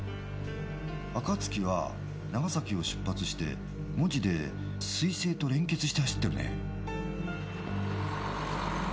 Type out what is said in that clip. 「あかつき」は長崎を出発して門司で「彗星」と連結して走ってるねえ。